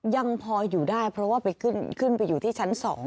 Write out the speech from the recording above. ยังพออยู่ได้เพราะว่าไปขึ้นไปอยู่ที่ชั้น๒